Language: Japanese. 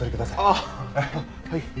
ああはい。